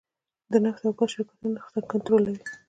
د نفت او ګاز شرکت نرخونه کنټرولوي؟